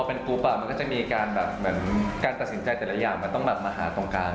เป็นกรุ๊ปมันก็จะมีการแบบเหมือนการตัดสินใจแต่ละอย่างมันต้องแบบมาหาตรงกลาง